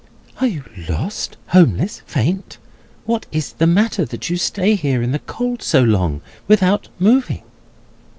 "Are you lost, homeless, faint? What is the matter, that you stay here in the cold so long, without moving?"